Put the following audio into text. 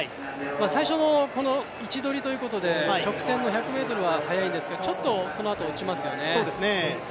最初の位置取りということで直線の１００ｍはちょっとそのあと落ちますよね。